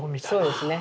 そうですね。